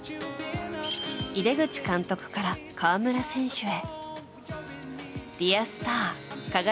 井手口監督から河村選手へ。